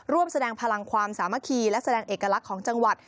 ร่วมแสดงพลังความสามัคคีและแสดงเอกลักษณ์ของจังหวัด